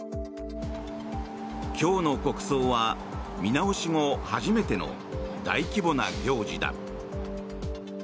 今日の国葬は見直し後初めての大規模な行事だ。